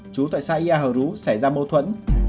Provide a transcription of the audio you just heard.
trú tại xã yà hờ rũ xảy ra mâu thuẫn